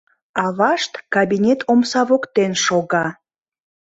Авашт кабинет омса воктен шога.